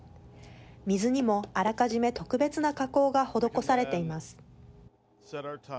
水にも、あらかじめ特別な加工が施されています。